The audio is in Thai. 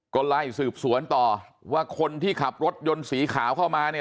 ก็ไล่สืบสวนต่อว่าคนที่ขับรถยนต์สีขาวเข้ามาเนี่ย